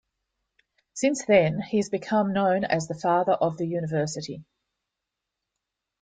Since then, he has become known as The Father of the University.